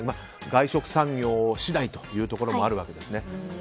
外食産業次第というところもあるわけですね。